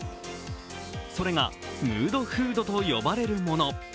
それがムードフードと呼ばれるもの。